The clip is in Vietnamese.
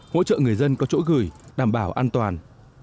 hỗ trợ người dân có chỗ gửi đảm bảo an toàn